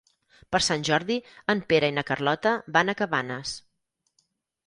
Per Sant Jordi en Pere i na Carlota van a Cabanes.